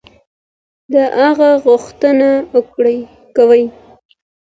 دغه غوښتنه كوي